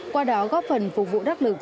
qua đó góp phần phục vụ đắc lực